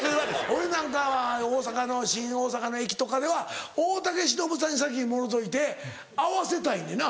俺なんかは大阪の新大阪の駅とかでは大竹しのぶさんに先にもろうといて合わせたいんねな。